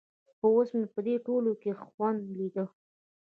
خو اوس مې په دې ټولو کښې خوند ليده.